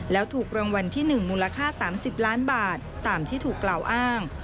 แล้วถูกรางวัลที่๑มูลค่า๓๐ล้านบาทตามที่ถูกกล่าวอ้าง